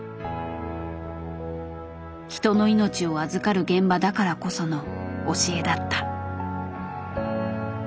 人の命を預かる現場だからこその教えだった。